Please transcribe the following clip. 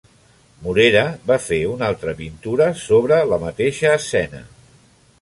Morera va fer una altra pintura sobre la mateixa escena.